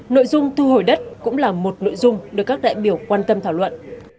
nội dung thu hồi đất cũng là một nội dung được các đại biểu quan tâm thảo luận